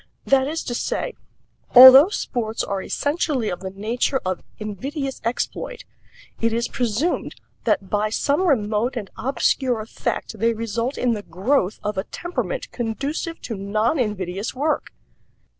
That is to say, although sports are essentially of the nature of invidious exploit, it is presumed that by some remote and obscure effect they result in the growth of a temperament conducive to non invidious work.